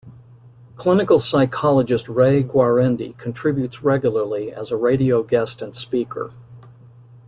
Clinical psychologist Ray Guarendi contributes regularly as a radio guest and speaker.